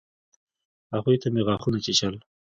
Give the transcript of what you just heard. هغوى ته مې غاښونه چيچل.